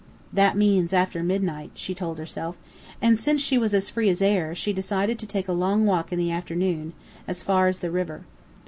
"That means after midnight," she told herself; and since she was free as air, she decided to take a long walk in the afternoon, as far as the river.